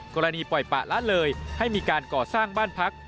ปล่อยปะละเลยให้มีการก่อสร้างบ้านพัก